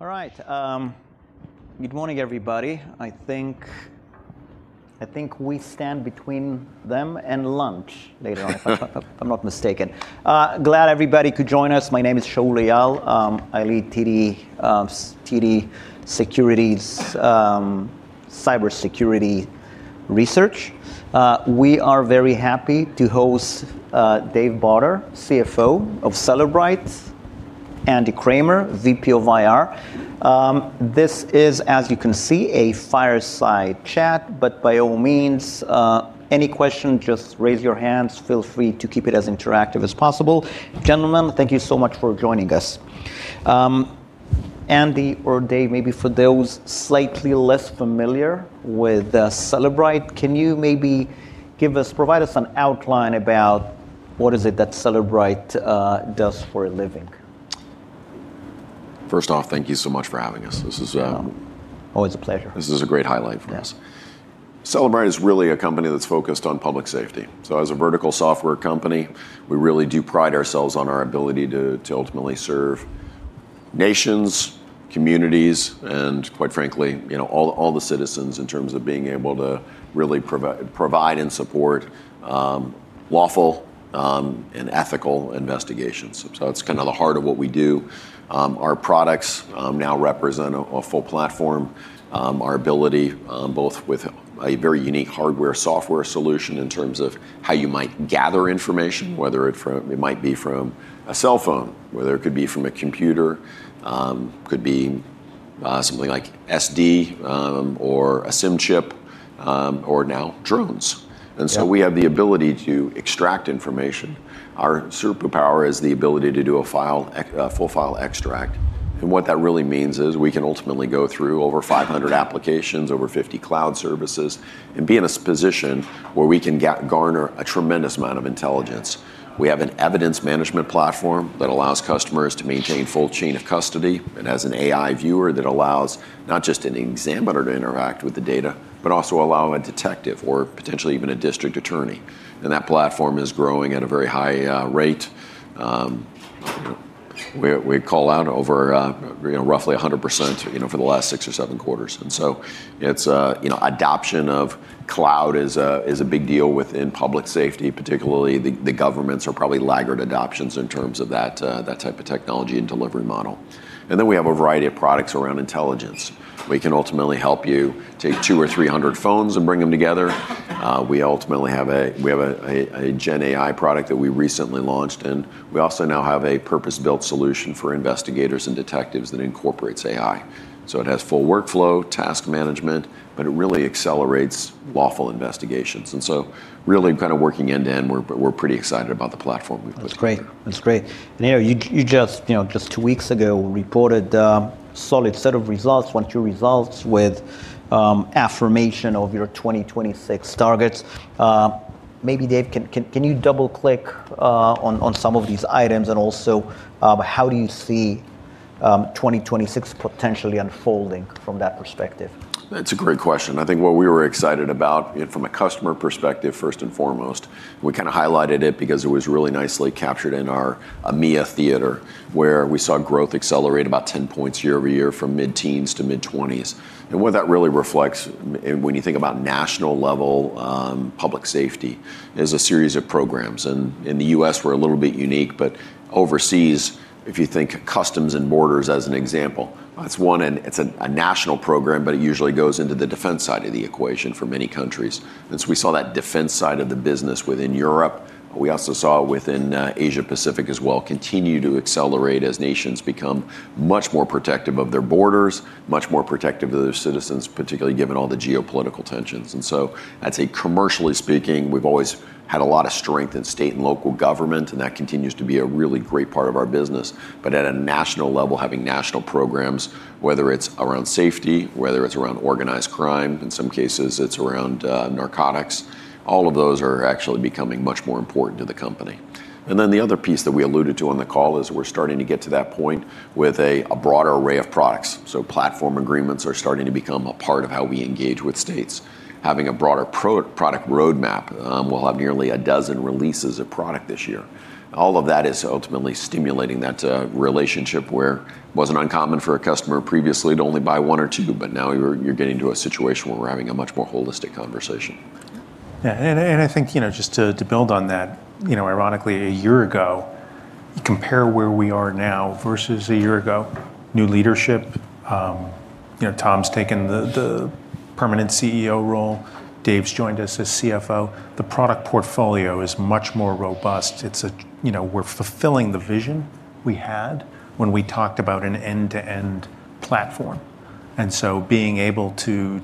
All right. Good morning, everybody. I think we stand between them and lunch later on, if I'm not mistaken. Glad everybody could join us. My name is Shaul Eyal. I lead TD Cowen cybersecurity research. We are very happy to host Dave Barter, CFO of Cellebrite, Andy Kramer, VP of IR. This is, as you can see, a fireside chat. By all means, any question, just raise your hands. Feel free to keep it as interactive as possible. Gentlemen, thank you so much for joining us. Andy or Dave, maybe for those slightly less familiar with Cellebrite, can you maybe provide us an outline about what is it that Cellebrite does for a living? First off, thank you so much for having us. Always a pleasure. This is a great highlight for us. Yeah. Cellebrite is really a company that's focused on public safety. As a vertical software company, we really do pride ourselves on our ability to ultimately serve nations, communities, and quite frankly, all the citizens in terms of being able to really provide and support lawful and ethical investigations. That's kind of the heart of what we do. Our products now represent a full platform. Our ability, both with a very unique hardware-software solution in terms of how you might gather information, whether it might be from a cell phone, whether it could be from a computer, could be something like SD, or a SIM chip, or now drones. Yeah. We have the ability to extract information. Our superpower is the ability to do a full file extract. What that really means is we can ultimately go through over 500 applications, over 50 cloud services, and be in a position where we can garner a tremendous amount of intelligence. We have an evidence management platform that allows customers to maintain full chain of custody. It has an AI viewer that allows not just an examiner to interact with the data, but also allow a detective or potentially even a district attorney, and that platform is growing at a very high rate. We call out over roughly 100% for the last six or seven quarters. Adoption of cloud is a big deal within public safety, particularly the governments are probably laggard adoptions in terms of that type of technology and delivery model. Then we have a variety of products around intelligence. We can ultimately help you take 200 or 300 phones and bring them together. We ultimately have a GenAI product that we recently launched, and we also now have a purpose-built solution for investigators and detectives that incorporates AI. It has full workflow, task management, but it really accelerates lawful investigations. Really kind of working end-to-end, we're pretty excited about the platform we've put together. That's great. You just two weeks ago reported a solid set of results, Q1 2024 results with affirmation of your 2026 targets. Maybe Dave, can you double-click on some of these items? Also, how do you see 2026 potentially unfolding from that perspective? That's a great question. I think what we were excited about from a customer perspective, first and foremost, we kind of highlighted it because it was really nicely captured in our EMEA theater, where we saw growth accelerate about 10 points year-over-year from mid-teens to mid-20s. What that really reflects when you think about national-level public safety, is a series of programs. In the U.S. we're a little bit unique, but overseas, if you think customs and borders as an example, it's a national program, but it usually goes into the defense side of the equation for many countries. We saw that defense side of the business within Europe. We also saw within Asia-Pacific as well, continue to accelerate as nations become much more protective of their borders, much more protective of their citizens, particularly given all the geopolitical tensions. I'd say commercially speaking, we've always had a lot of strength in state and local government, and that continues to be a really great part of our business. At a national level, having national programs, whether it's around safety, whether it's around organized crime, in some cases it's around narcotics, all of those are actually becoming much more important to the company. The other piece that we alluded to on the call is we're starting to get to that point with a broader array of products. Platform agreements are starting to become a part of how we engage with states. Having a broader product roadmap, we'll have nearly 12 releases of product this year. All of that is ultimately stimulating that relationship where it wasn't uncommon for a customer previously to only buy one or two, but now you're getting to a situation where we're having a much more holistic conversation. Yeah. Yeah. I think just to build on that, ironically a year ago, compare where we are now versus a year ago, new leadership. Tom's taken the permanent CEO role, Dave's joined us as CFO, the product portfolio is much more robust. We're fulfilling the vision we had when we talked about an end-to-end platform and being able to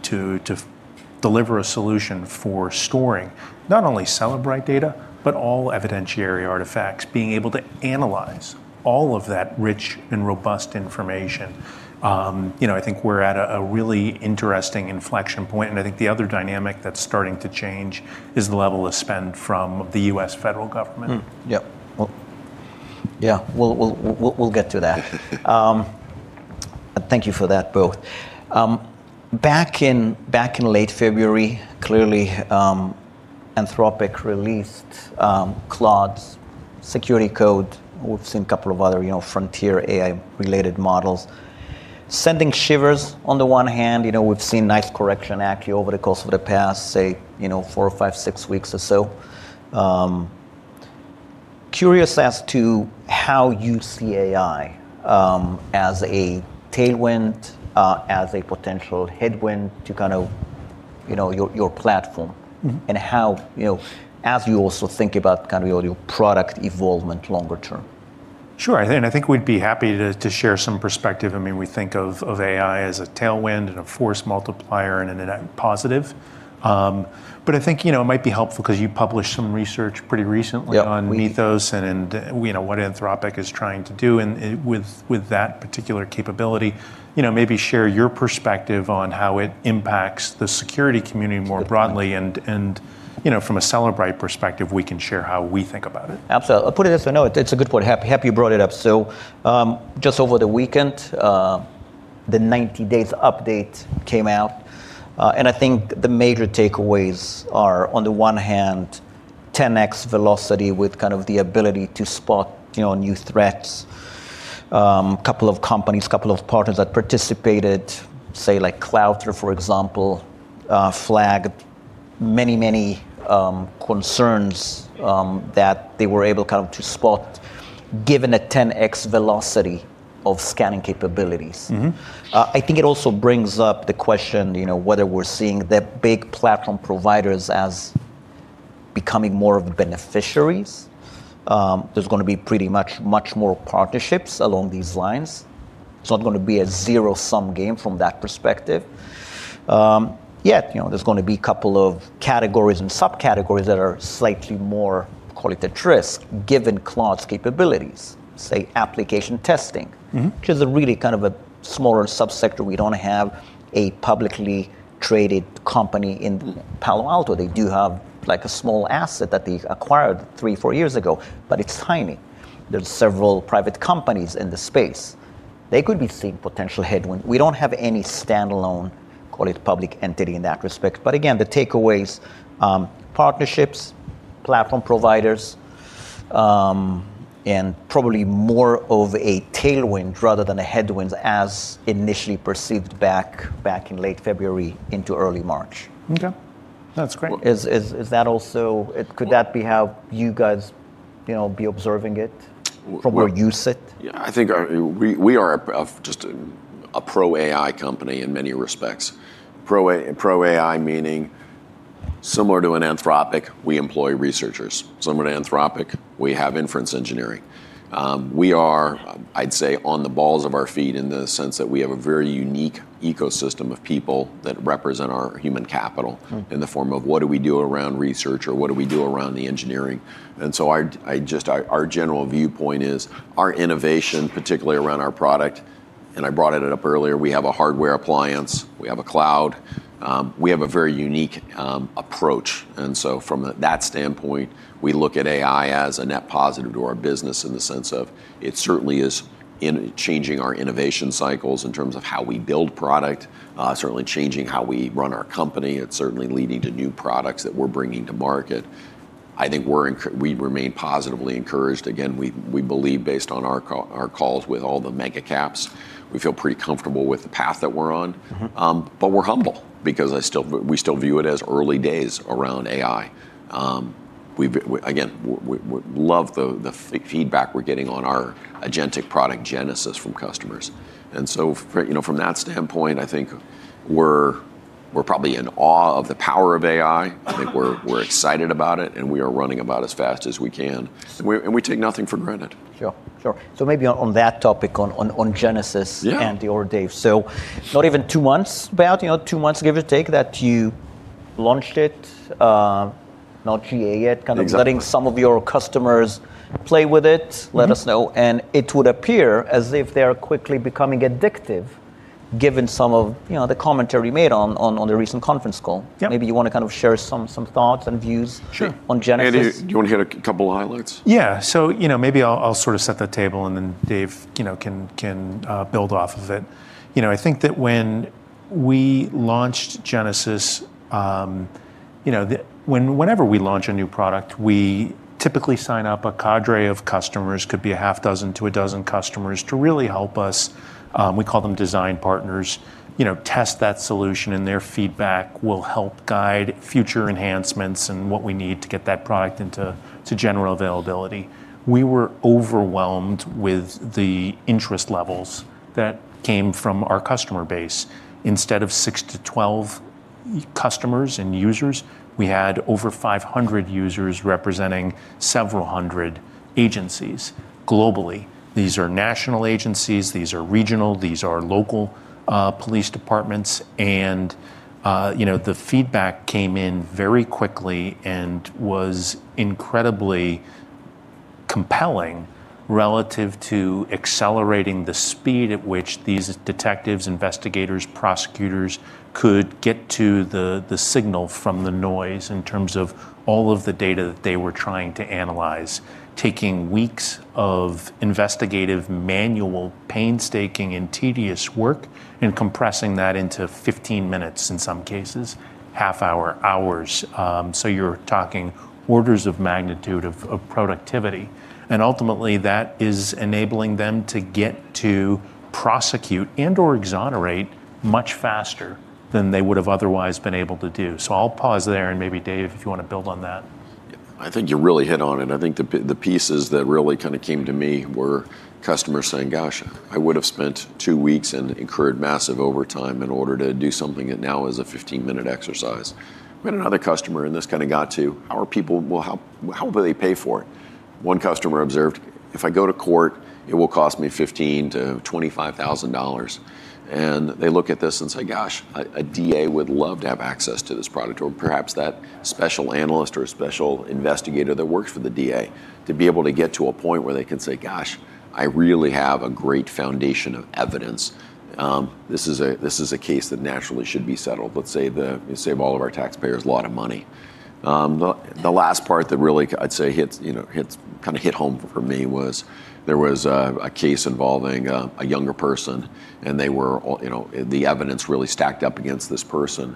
deliver a solution for storing not only Cellebrite data, but all evidentiary artifacts, being able to analyze all of that rich and robust information. I think we're at a really interesting inflection point. I think the other dynamic that's starting to change is the level of spend from the U.S. federal government. Yep. Well, we'll get to that. Thank you for that, both. Back in late February, clearly Anthropic released Claude's security code. We've seen a couple of other frontier AI-related models. Sending shivers on the one hand, we've seen nice correction actually over the course of the past say, four, five, six weeks or so. Curious as to how you see AI as a tailwind, as a potential headwind to your platform. As you also think about your product evolvement longer term. Sure. I think we'd be happy to share some perspective. We think of AI as a tailwind and a force multiplier and a net positive. I think it might be helpful because you published some research pretty recently. Yep On Mythos and what Anthropic is trying to do and with that particular capability, maybe share your perspective on how it impacts the security community more broadly and from a Cellebrite perspective, we can share how we think about it. Absolutely. I'll put it as a note. It's a good point, happy you brought it up. Just over the weekend, the 90-days update came out. I think the major takeaways are, on the one hand, 10X velocity with the ability to spot new threats. Couple of companies, couple of partners that participated, say like CrowdStrike, for example, flagged many concerns that they were able to spot, given a 10X velocity of scanning capabilities. I think it also brings up the question, whether we're seeing the big platform providers as becoming more of beneficiaries. There's going to be pretty much, much more partnerships along these lines. It's not going to be a zero-sum game from that perspective. Yet, there's going to be couple of categories and subcategories that are slightly more, call it at risk, given Claude's capabilities, say application testing. Which is a really kind of a smaller sub-sector. We don't have a publicly traded company in Palo Alto Networks. They do have a small asset that they acquired three, four years ago, but it's tiny. There's several private companies in the space. They could be seeing potential headwind. We don't have any standalone, call it public entity in that respect. Again, the takeaways, partnerships, platform providers, and probably more of a tailwind rather than a headwind as initially perceived back in late February into early March. Okay. No, that's great. Could that be how you guys be observing it from where you sit? Yeah, I think we are just a pro-AI company in many respects. Pro-AI meaning similar to an Anthropic, we employ researchers. Similar to Anthropic, we have inference engineering. We are, I'd say, on the balls of our feet in the sense that we have a very unique ecosystem of people that represent our human capital. in the form of what do we do around research or what do we do around the engineering. Our general viewpoint is our innovation, particularly around our product, and I brought it up earlier, we have a hardware appliance, we have a cloud. We have a very unique approach. From that standpoint, we look at AI as a net positive to our business in the sense of it certainly is changing our innovation cycles in terms of how we build product. Certainly changing how we run our company. It's certainly leading to new products that we're bringing to market. I think we remain positively encouraged. Again, we believe based on our calls with all the mega caps, we feel pretty comfortable with the path that we're on. We're humble because we still view it as early days around AI. We, again, love the feedback we're getting on our agentic Project Genesis from customers. From that standpoint, I think we're probably in awe of the power of AI. I think we're excited about it, and we are running about as fast as we can. We take nothing for granted. Sure. Maybe on that topic, on Genesis- Yeah Andy or Dave. Not even two months, about two months, give or take, that you launched it. Not GA yet. Exactly. Kind of letting some of your customers play with it, let us know. It would appear as if they're quickly becoming addictive, given some of the commentary made on the recent conference call. Yep. Maybe you want to share some thoughts and views. Sure on Genesis. Andy, do you want to hit a couple highlights? Yeah. Maybe I'll sort of set the table, and then Dave can build off of it. I think that when we launched Genesis, whenever we launch a new product, we typically sign up a cadre of customers, could be a half dozen to a dozen customers, to really help us, we call them design partners, test that solution, and their feedback will help guide future enhancements and what we need to get that product into general availability. We were overwhelmed with the interest levels that came from our customer base. Instead of six to 12 customers and users, we had over 500 users representing several hundred agencies globally. These are national agencies, these are regional, these are local police departments. The feedback came in very quickly and was incredibly compelling relative to accelerating the speed at which these detectives, investigators, prosecutors could get to the signal from the noise in terms of all of the data that they were trying to analyze. Taking weeks of investigative, manual, painstaking, and tedious work and compressing that into 15 minutes in some cases, half hour, hours. You're talking orders of magnitude of productivity, and ultimately that is enabling them to get to prosecute and/or exonerate much faster than they would have otherwise been able to do. I'll pause there and maybe Dave, if you want to build on that. I think you really hit on it. I think the pieces that really came to me were customers saying, "Gosh, I would have spent two weeks and incurred massive overtime in order to do something that now is a 15-minute exercise." We had another customer and this kind of got to our people, "Well, how will they pay for it?" One customer observed, "If I go to court, it will cost me $15,000-$25,000." They look at this and say, "Gosh, a DA would love to have access to this product." Perhaps that special analyst or a special investigator that works for the DA to be able to get to a point where they can say, "Gosh, I really have a great foundation of evidence. This is a case that naturally should be settled." Let's say save all of our taxpayers a lot of money. The last part that really I'd say hit home for me was there was a case involving a younger person and the evidence really stacked up against this person.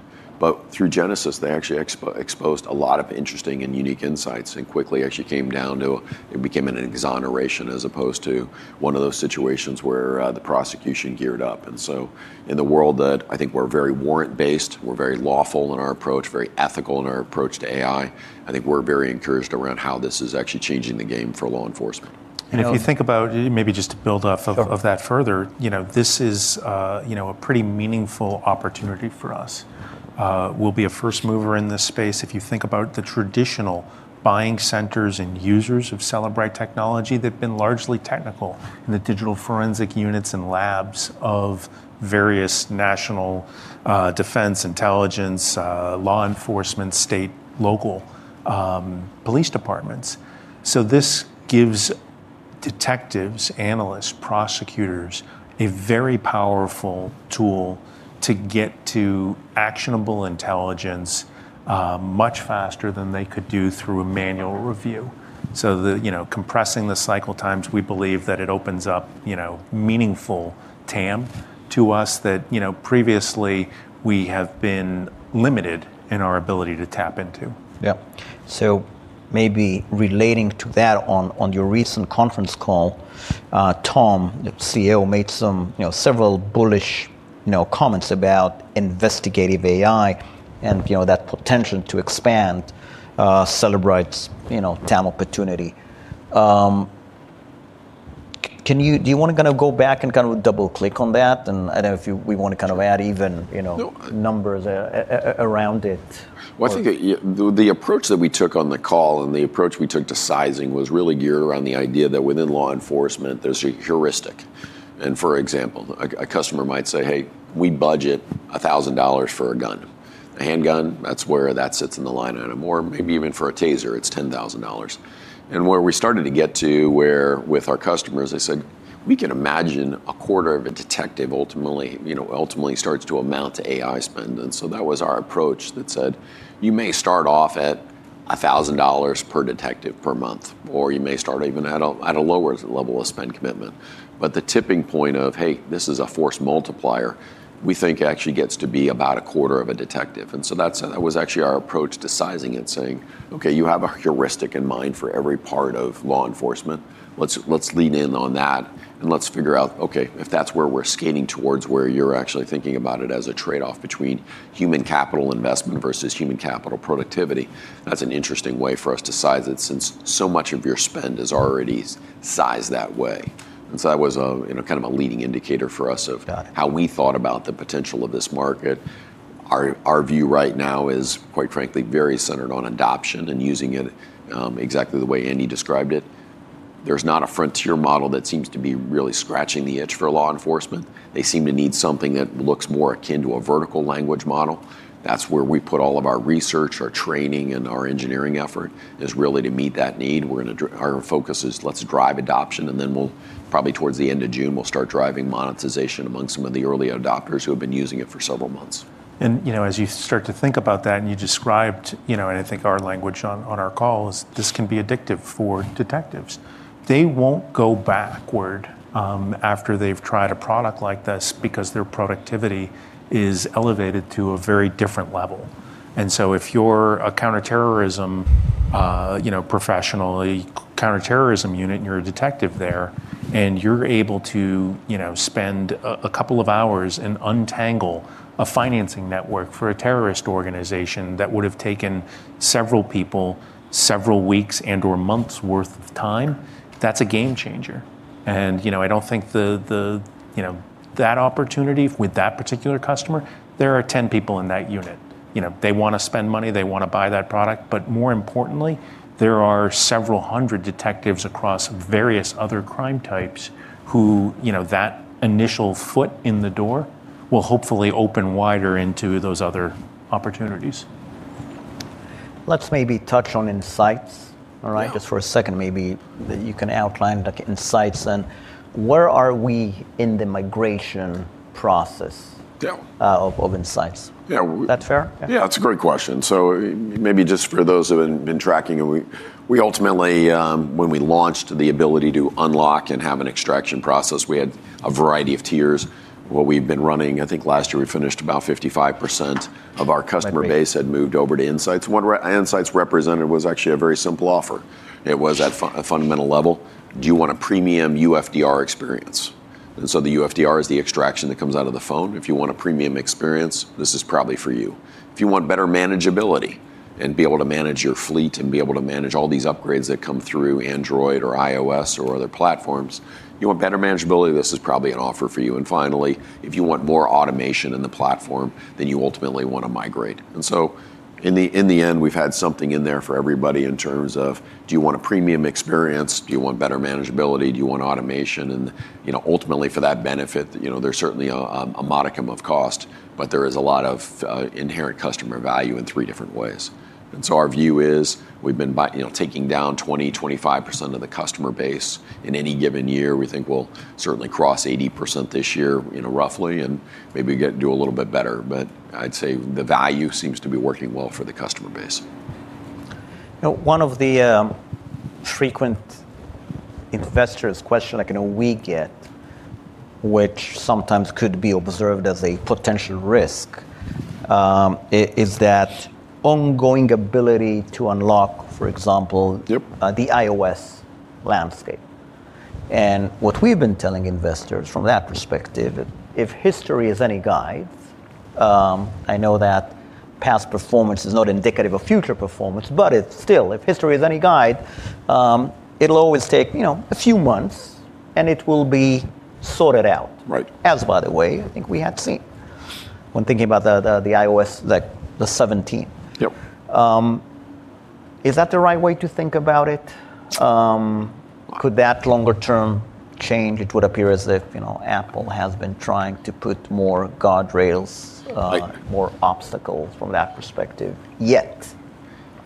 Through Genesis, they actually exposed a lot of interesting and unique insights and quickly actually came down to it became an exoneration as opposed to one of those situations where the prosecution geared up. In the world that I think we're very warrant-based, we're very lawful in our approach, very ethical in our approach to AI, I think we're very encouraged around how this is actually changing the game for law enforcement. If you think about maybe just to build off of that further, this is a pretty meaningful opportunity for us. We'll be a first mover in this space. If you think about the traditional buying centers and users of Cellebrite technology, they've been largely technical in the digital forensic units and labs of various national defense intelligence, law enforcement, state, local police departments. This gives detectives, analysts, prosecutors, a very powerful tool to get to actionable intelligence, much faster than they could do through a manual review. Compressing the cycle times, we believe that it opens up meaningful TAM to us that previously we have been limited in our ability to tap into. Maybe relating to that on your recent conference call, Tom, the CEO, made several bullish comments about investigative AI and that potential to expand Cellebrite's TAM opportunity. Do you want to go back and double-click on that? I don't know if we want to add even numbers around it. I think the approach that we took on the call and the approach we took to sizing was really geared around the idea that within law enforcement, there's heuristic. For example, a customer might say, "Hey, we budget $1,000 for a gun." A handgun, that's where that sits in the line item. Maybe even for a taser, it's $10,000. Where we started to get to where with our customers, they said, "We can imagine a quarter of a detective ultimately starts to amount to AI spend." That was our approach that said, you may start off at $1,000 per detective per month, or you may start even at a lower level of spend commitment. The tipping point of, hey, this is a force multiplier, we think actually gets to be about a quarter of a detective. That was actually our approach to sizing it, saying, okay, you have a heuristic in mind for every part of law enforcement. Let's lean in on that and let's figure out, okay, if that's where we're skating towards where you're actually thinking about it as a trade-off between human capital investment versus human capital productivity, that's an interesting way for us to size it since so much of your spend is already sized that way. That was a kind of a leading indicator for us. Got it. How we thought about the potential of this market. Our view right now is, quite frankly, very centered on adoption and using it, exactly the way Andy described it. There's not a frontier model that seems to be really scratching the itch for law enforcement. They seem to need something that looks more akin to a vertical language model. That's where we put all of our research, our training, and our engineering effort is really to meet that need. Our focus is let's drive adoption, and then we'll probably towards the end of June, we'll start driving monetization among some of the early adopters who have been using it for several months. As you start to think about that, you described and I think our language on our call is this can be addictive for detectives. They won't go backward after they've tried a product like this because their productivity is elevated to a very different level. If you're a counter-terrorism professional, a counter-terrorism unit, and you're a detective there, and you're able to spend a couple of hours and untangle a financing network for a terrorist organization that would've taken several people, several weeks and or months worth of time, that's a game changer. I don't think that opportunity with that particular customer, there are 10 people in that unit. They want to spend money, they want to buy that product, but more importantly, there are several hundred detectives across various other crime types who that initial foot in the door will hopefully open wider into those other opportunities. Let's maybe touch on Inseyets. Yeah. All right, just for a second, maybe you can outline the Inseyets and where are we in the migration process? Yeah of Inseyets. Yeah. That fair? Yeah. It's a great question. Maybe just for those who haven't been tracking, we ultimately, when we launched the ability to unlock and have an extraction process, we had a variety of tiers. What we've been running, I think last year we finished about 55% of our customer base had moved over to Inseyets. What Inseyets represented was actually a very simple offer. It was at a fundamental level, do you want a premium UFDR experience? The UFDR is the extraction that comes out of the phone. If you want a premium experience, this is probably for you. If you want better manageability and be able to manage your fleet and be able to manage all these upgrades that come through Android or iOS or other platforms, you want better manageability, this is probably an offer for you. Finally, if you want more automation in the platform, you ultimately want to migrate. In the end, we've had something in there for everybody in terms of, do you want a premium experience? Do you want better manageability? Do you want automation? Ultimately for that benefit, there's certainly a modicum of cost, but there is a lot of inherent customer value in three different ways. Our view is, we've been taking down 20, 25% of the customer base in any given year. We think we'll certainly cross 80% this year, roughly, and maybe do a little bit better, but I'd say the value seems to be working well for the customer base. One of the frequent investors question I know we get, which sometimes could be observed as a potential risk, is that ongoing ability to unlock, for example. Yep the iOS landscape. What we've been telling investors from that perspective, if history is any guide, I know that past performance is not indicative of future performance, but it's still, if history is any guide, it'll always take a few months, and it will be sorted out. Right. By the way, I think we have seen when thinking about the iOS 17. Yep. Is that the right way to think about it? Could that longer term change, it would appear as if Apple has been trying to put more guardrails. Like- More obstacles from that perspective yet.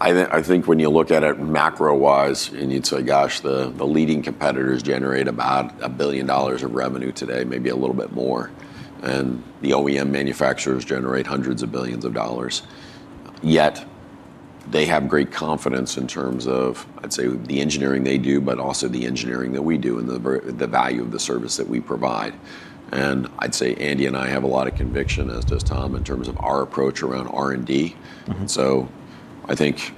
I think when you look at it macro-wise, you'd say, gosh, the leading competitors generate about $1 billion of revenue today, maybe a little bit more, and the OEM manufacturers generate hundreds of billions of dollars, yet they have great confidence in terms of, I'd say, the engineering they do, but also the engineering that we do, and the value of the service that we provide. I'd say Andy and I have a lot of conviction, as does Tom, in terms of our approach around R&D. I think,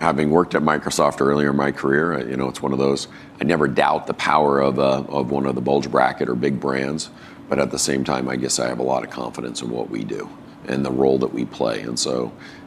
having worked at Microsoft earlier in my career, it's one of those, I never doubt the power of one of the bulge bracket or big brands, but at the same time, I guess I have a lot of confidence in what we do and the role that we play.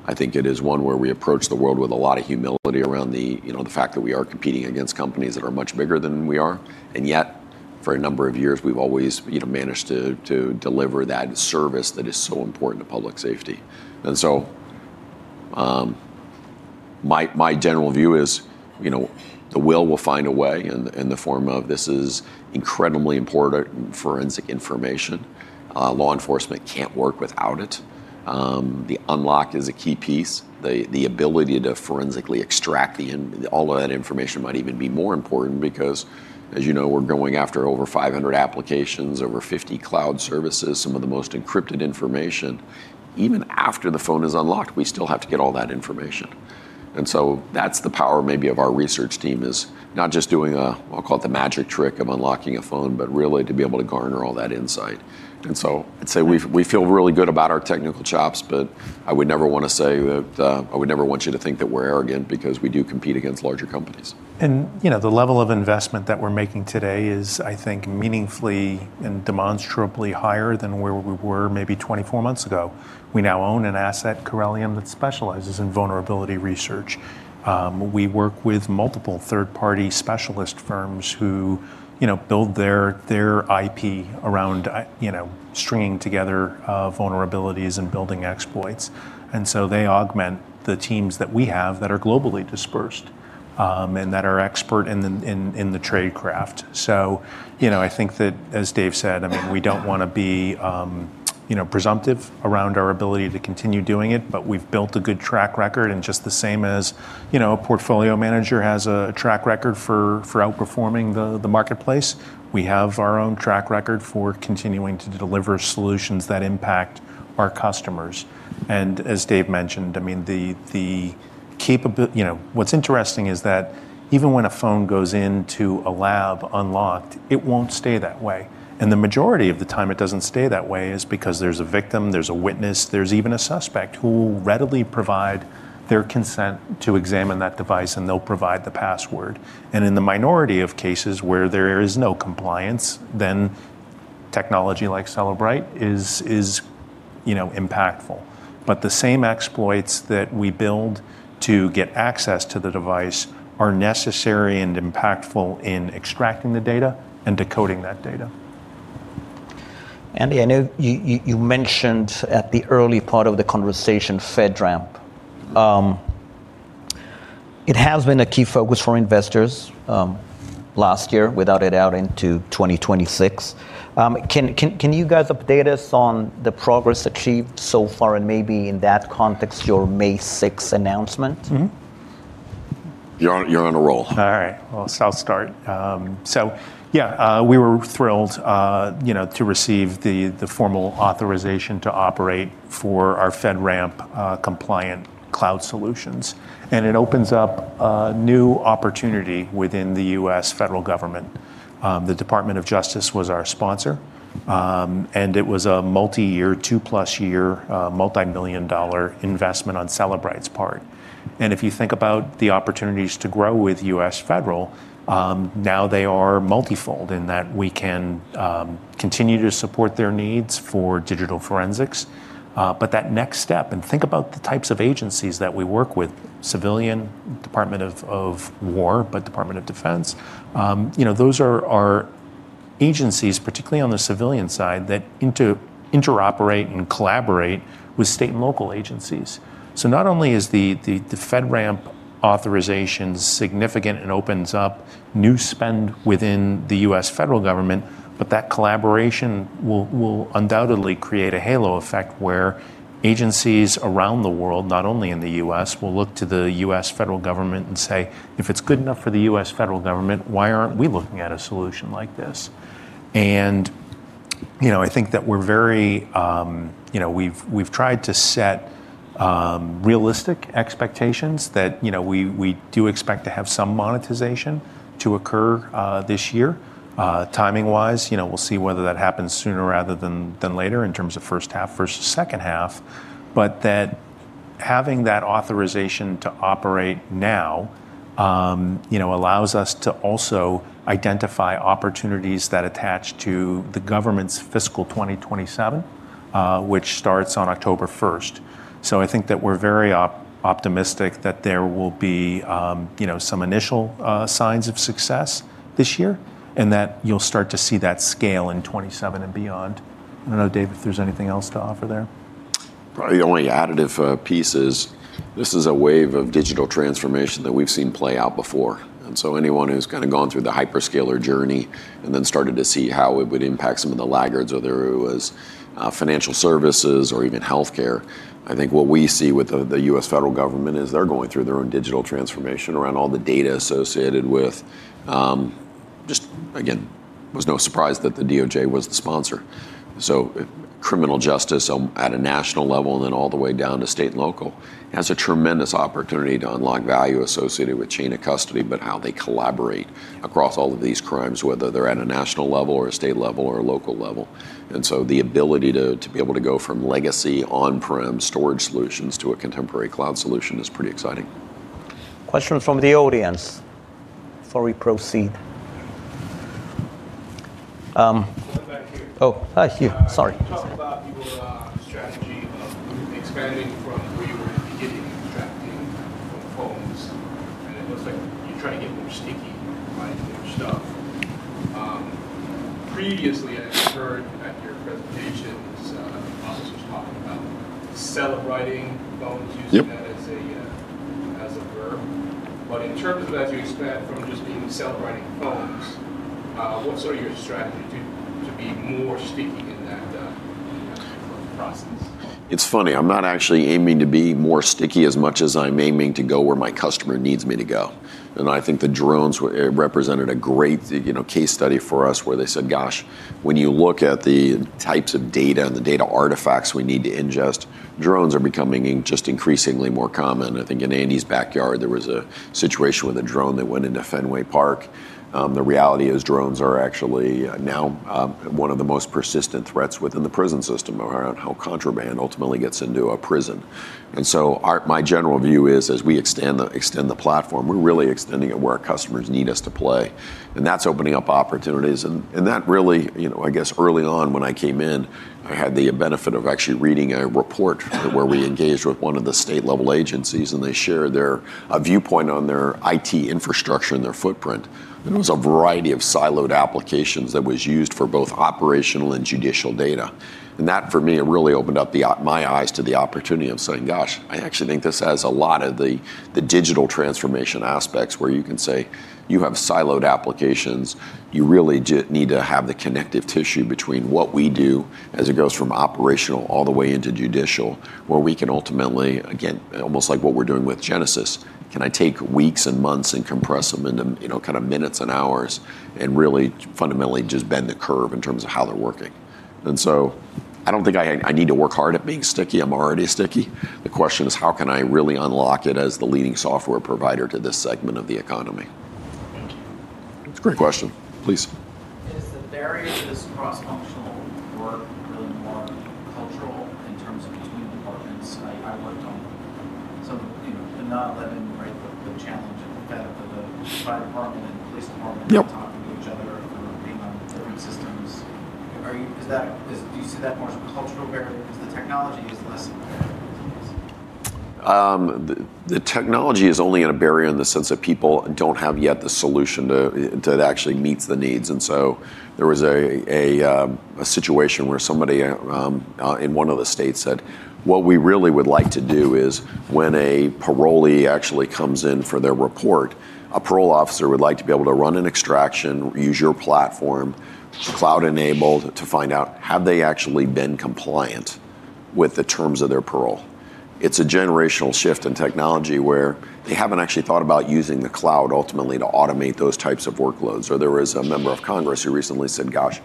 I think it is one where we approach the world with a lot of humility around the fact that we are competing against companies that are much bigger than we are, and yet, for a number of years, we've always managed to deliver that service that is so important to public safety. My general view is, the will will find a way in the form of this is incredibly important forensic information. Law enforcement can't work without it. The unlock is a key piece. The ability to forensically extract all of that information might even be more important because, as you know, we're going after over 500 applications, over 50 cloud services, some of the most encrypted information. Even after the phone is unlocked, we still have to get all that information. That's the power maybe of our research team is not just doing a, I'll call it the magic trick of unlocking a phone, but really to be able to garner all that insight. I'd say we feel really good about our technical chops, but I would never want to say that, I would never want you to think that we're arrogant because we do compete against larger companies. The level of investment that we're making today is, I think, meaningfully and demonstrably higher than where we were maybe 24 months ago. We now own an asset, Corellium, that specializes in vulnerability research. We work with multiple third-party specialist firms who build their IP around stringing together vulnerabilities and building exploits. They augment the teams that we have that are globally dispersed, and that are expert in the trade craft. I think that as Dave said, we don't want to be presumptive around our ability to continue doing it, but we've built a good track record and just the same as a portfolio manager has a track record for outperforming the marketplace. We have our own track record for continuing to deliver solutions that impact our customers. As Dave mentioned, what's interesting is that even when a phone goes into a lab unlocked, it won't stay that way. The majority of the time it doesn't stay that way is because there's a victim, there's a witness, there's even a suspect who will readily provide their consent to examine that device, and they'll provide the password. In the minority of cases where there is no compliance, then technology like Cellebrite is impactful. The same exploits that we build to get access to the device are necessary and impactful in extracting the data and decoding that data. Andy, I know you mentioned at the early part of the conversation FedRAMP. It has been a key focus for investors last year, without a doubt, into 2026. Can you guys update us on the progress achieved so far and maybe in that context, your May 6 announcement? You're on a roll. All right. Well, I'll start. Yeah, we were thrilled to receive the formal authorization to operate for our FedRAMP compliant cloud solutions, and it opens up a new opportunity within the U.S. federal government. The Department of Justice was our sponsor, and it was a multi-year, two-plus year, multimillion-dollar investment on Cellebrite's part. If you think about the opportunities to grow with U.S. federal, now they are multifold in that we can continue to support their needs for digital forensics. That next step, and think about the types of agencies that we work with, civilian, Department of War, Department of Defense. Those are our agencies, particularly on the civilian side, that interoperate and collaborate with state and local agencies. Not only is the FedRAMP authorization significant and opens up new spend within the U.S. federal government, but that collaboration will undoubtedly create a halo effect where agencies around the world, not only in the U.S., will look to the U.S. federal government and say, "If it's good enough for the U.S. federal government, why aren't we looking at a solution like this?" I think that we've tried to set realistic expectations that we do expect to have some monetization to occur this year. Timing wise, we'll see whether that happens sooner rather than later in terms of first half versus second half. That having that authorization to operate now allows us to also identify opportunities that attach to the government's fiscal 2027, which starts on October 1st. I think that we're very optimistic that there will be some initial signs of success this year, and that you'll start to see that scale in 2027 and beyond. I don't know, Dave if there's anything else to offer there. Probably the only additive piece is this is a wave of digital transformation that we've seen play out before. Anyone who's kind of gone through the hyperscaler journey and then started to see how it would impact some of the laggards, whether it was financial services or even healthcare. I think what we see with the U.S. federal government is they're going through their own digital transformation around all the data associated with Just, again, it was no surprise that the DOJ was the sponsor. Criminal justice at a national level and then all the way down to state and local, has a tremendous opportunity to unlock value associated with chain of custody, but how they collaborate across all of these crimes, whether they're at a national level or a state level or a local level. The ability to be able to go from legacy on-prem storage solutions to a contemporary cloud solution is pretty exciting. Questions from the audience before we proceed. One back here. Oh. Hi, hugh. Sorry. You talked about your strategy of expanding from where you were at the beginning, extracting from phones, and it looks like you try to get more sticky by doing stuff. Previously, I heard at your presentations, officers talking about Cellebriting phones. Yep In terms of as you expand from just even Cellebriting phones, what's your strategy to be more sticky in that process? It's funny. I'm not actually aiming to be more sticky as much as I'm aiming to go where my customer needs me to go. I think the drones represented a great case study for us where they said, "Gosh, when you look at the types of data and the data artifacts we need to ingest, drones are becoming just increasingly more common." I think in Andy's backyard, there was a situation with a drone that went into Fenway Park. The reality is drones are actually now one of the most persistent threats within the prison system around how contraband ultimately gets into a prison. My general view is as we extend the platform, we're really extending it where our customers need us to play, and that's opening up opportunities. That really, I guess early on when I came in, I had the benefit of actually reading a report where we engaged with one of the state-level agencies, and they shared their viewpoint on their IT infrastructure and their footprint. It was a variety of siloed applications that was used for both operational and judicial data. That, for me, it really opened up my eyes to the opportunity of saying, "Gosh, I actually think this has a lot of the digital transformation aspects where you can say you have siloed applications. You really do need to have the connective tissue between what we do as it goes from operational all the way into judicial, where we can ultimately, again, almost like what we're doing with Genesis, can I take weeks and months and compress them into minutes and hours, and really fundamentally just bend the curve in terms of how they're working. I don't think I need to work hard at being sticky. I'm already sticky. The question is how can I really unlock it as the leading software provider to this segment of the economy? Thank you. It's a great question. Please. Is the barrier to this cross-functional work really more cultural in terms of between departments? I worked on some, you know, the 9/11, right, the challenge of the fire department and police department. Yep Not talking to each other or being on different systems. Do you see that more as a cultural barrier because the technology is less- The technology is only in a barrier in the sense that people don't have yet the solution that actually meets the needs. There was a situation where somebody in one of the states said, "What we really would like to do is when a parolee actually comes in for their report, a parole officer would like to be able to run an extraction, use your platform, cloud-enabled, to find out have they actually been compliant with the terms of their parole?" It's a generational shift in technology where they haven't actually thought about using the cloud ultimately to automate those types of workloads. There was a member of Congress who recently said, "Gosh,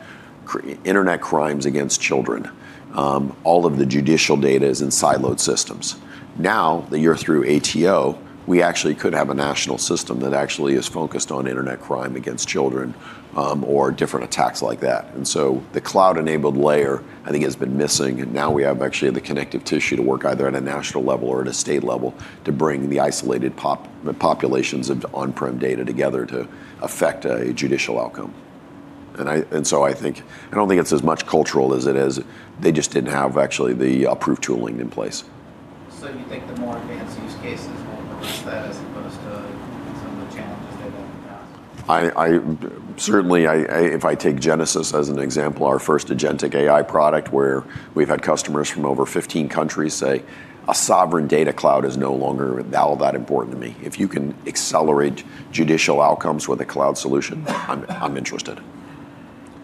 internet crimes against children. All of the judicial data is in siloed systems. That you're through ATO, we actually could have a national system that actually is focused on internet crime against children, or different attacks like that. The cloud-enabled layer, I think, has been missing. We have actually the connective tissue to work either at a national level or at a state level to bring the isolated populations of on-prem data together to affect a judicial outcome. I don't think it's as much cultural as it is they just didn't have actually the approved tooling in place. Do you think the more advanced use cases will reverse that as opposed to some of the challenges they've had in the past? Certainly, if I take Genesis as an example, our first agentic AI product, where we've had customers from over 15 countries say, "A sovereign data cloud is no longer all that important to me. If you can accelerate judicial outcomes with a cloud solution, I'm interested."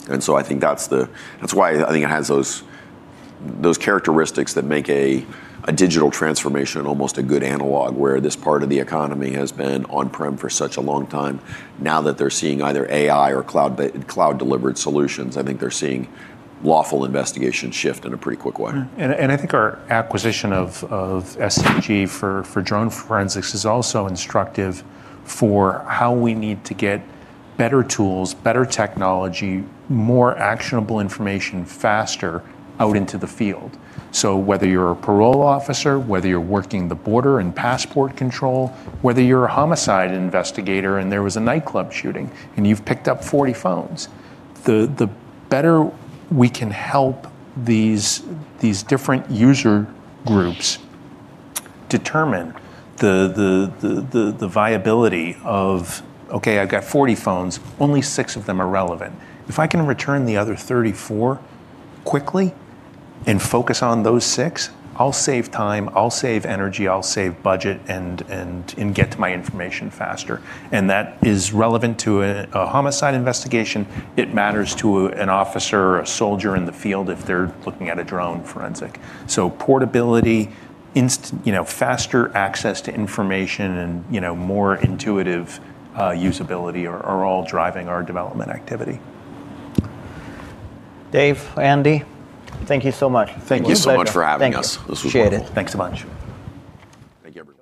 I think that's why I think it has those characteristics that make a digital transformation almost a good analog, where this part of the economy has been on-prem for such a long time. Now that they're seeing either AI or cloud-delivered solutions, I think they're seeing lawful investigation shift in a pretty quick way. I think our acquisition of SCG for drone forensics is also instructive for how we need to get better tools, better technology, more actionable information faster out into the field. Whether you're a parole officer, whether you're working the border and passport control, whether you're a homicide investigator, and there was a nightclub shooting and you've picked up 40 phones, the better we can help these different user groups determine the viability of, okay, I've got 40 phones, only six of them are relevant. If I can return the other 34 quickly and focus on those six, I'll save time, I'll save energy, I'll save budget, and get to my information faster. That is relevant to a homicide investigation. It matters to an officer or a soldier in the field if they're looking at a drone forensic. Portability, faster access to information, and more intuitive usability are all driving our development activity. Dave, Andy, thank you so much. Thank you so much for having us. It was a pleasure. Thank you. This was wonderful. Appreciate it. Thanks a bunch. Thank you, everybody.